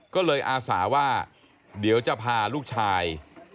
ก็เลยอาสาว่าเดี๋ยวจะพาลูกชาย